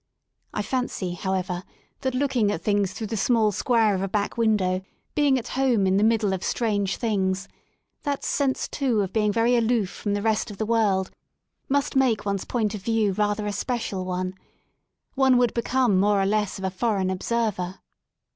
I fancy, however, that looking at things through the small square of a back window, being at home in the middle of strange things, the sense too of being very aloof from the rest of the world must make one's point ot view rather a special one. One would become more or less of a foreign observer.